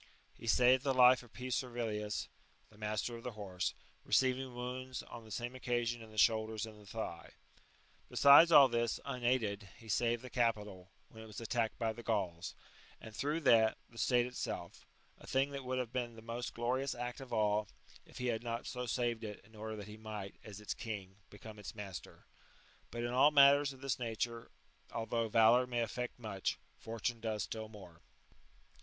He saved the life of P. Servilius, the master of the horse, receiving wounds on the same occasion in the shoulders and the thigh. Besides all this, unaided, he saved the Capitol, when it was attacked by the Gauls, and through that, the state itself; a thing that would have been the most glorious act of all, if he had not so saved it, in order that he might, as its king, become its master.^* But in all matters of this nature, although valour may effect much, fortune does still more.